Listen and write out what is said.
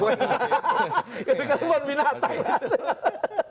bukan buat binatang